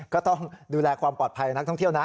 ก็ต้องดูแลความปลอดภัยนักท่องเที่ยวนะ